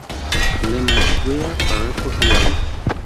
Su lema es "We are a record label.